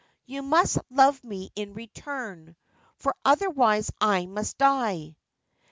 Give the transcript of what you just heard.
You must love me in return ; for otherwise I must die